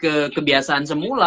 kembali kebiasaan semula